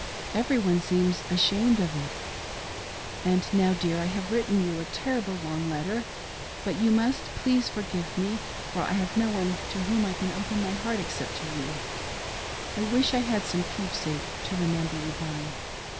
Every one seems ashamed of it And now, dear, I have written you a terrible long letter, but you must please forgive me, for I have no one to whom I can open my heart except to you. I wish I had some keepsake to remember you by.